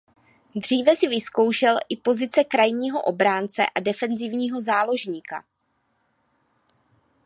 Dříve si vyzkoušel i pozice krajního obránce a defenzivního záložníka.